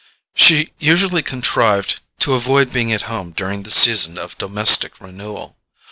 She usually contrived to avoid being at home during the season of domestic renewal.